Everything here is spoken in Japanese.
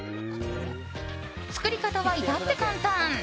作り方は、至って簡単。